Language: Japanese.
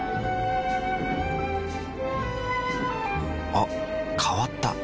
あ変わった。